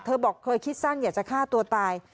บอกเคยคิดสั้นอยากจะฆ่าตัวตาย